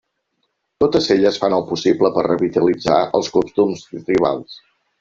Totes elles fan el possible per revitalitzar els costums tribals.